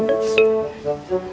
kita sudah tersilap